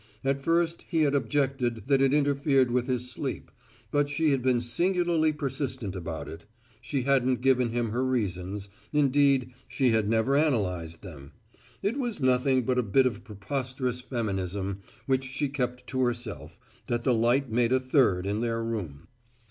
At first he had objected that it interfered with his sleep, but she had been singularly persistent about it. She hadn't given him her reasons; indeed, she had never analyzed them. It was nothing but a bit of preposterous feminism, which she kept to herself, that the light made a third in their room.